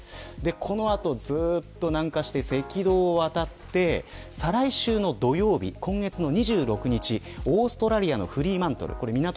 この後ずっと南下して赤道を渡って再来週の土曜日今月の２６日オーストラリアのフリーマントル